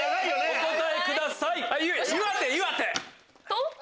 お答えください。